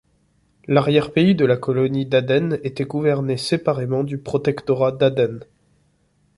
L'arrière-pays de la colonie d'Aden était gouverné séparément du protectorat d'Aden.